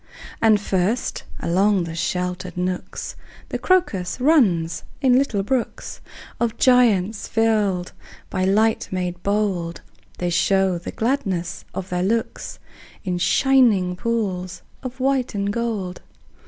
And first, along the sheltered nooks, The crocus runs in little brooks Of joyance, till by light made bold They show the gladness of their looks In shining pools of white and gold.